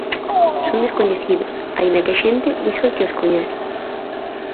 Son descoñecidos, aínda que a xente diga que os coñece.